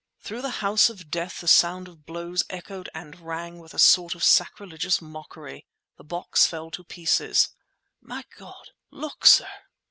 Through the house of death the sound of the blows echoed and rang with a sort of sacrilegious mockery. The box fell to pieces. "My God! look, sir!"